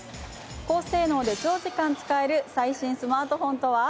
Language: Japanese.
高性能で長時間使える最新スマートフォンとは？